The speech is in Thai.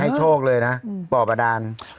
ให้โชคเลยนะปรบดาน